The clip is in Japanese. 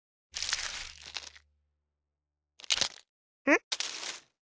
ん？